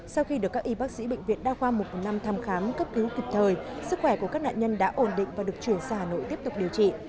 sau khi được các y bác sĩ bệnh viện đa khoa một trăm một mươi năm thăm khám cấp cứu kịp thời sức khỏe của các nạn nhân đã ổn định và được chuyển ra hà nội tiếp tục điều trị